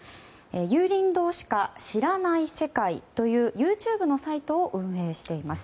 「有隣堂しか知らない世界」というＹｏｕＴｕｂｅのサイトを運営しています。